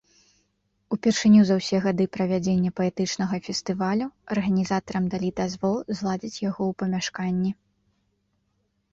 Упершыню за ўсе гады правядзення паэтычнага фестывалю арганізатарам далі дазвол зладзіць яго ў памяшканні.